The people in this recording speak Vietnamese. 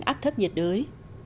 vùng áp thấp nhiệt đới